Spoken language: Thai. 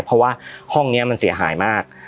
เพราะว่าห้องนี้มันเสียหายมาก